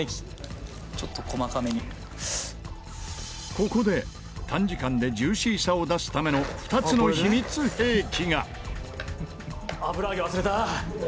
ここで短時間でジューシーさを出すための２つの秘密兵器が！